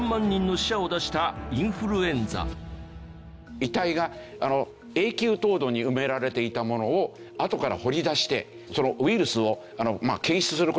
遺体が永久凍土に埋められていたものをあとから掘り出してそのウイルスを検出する事ができたんですよ。